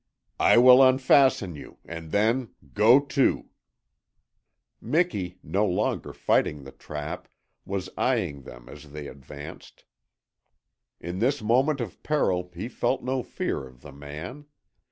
I will unfasten you, and then GO TO!" Miki, no longer fighting the trap, was eyeing them as they advanced. In this moment of peril he felt no fear of the man.